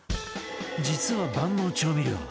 実は万能調味料！